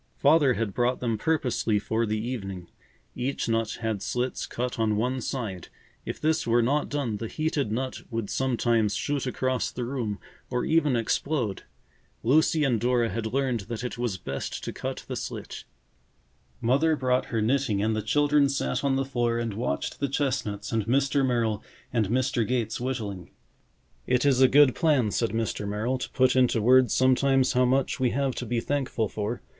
Father had brought them purposely for the evening. Each nut had slits cut on one side. If this were not done, the heated nut would sometimes shoot across the room or even explode. Lucy and Dora had learned that it was best to cut the slit. Mother brought her knitting and the children sat on the floor and watched the chestnuts and Mr. Merrill and Mr. Gates whittling. "It is a good plan," said Mr. Merrill, "to put into words sometimes how much we have to be thankful for.